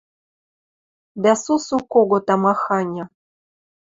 Дӓ сусу кого тамаханьы